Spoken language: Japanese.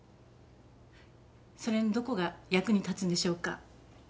それのどこが役に立つんでしょうか？